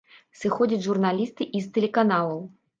Сыходзяць журналісты і з тэлеканалаў.